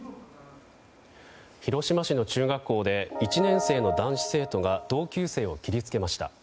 広島市の中学校で１年生の男子生徒が同級生を切りつけました。